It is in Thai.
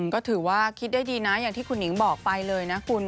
ก็ถือว่าคิดได้ดีนะอย่างที่คุณหิงบอกไปเลยนะคุณ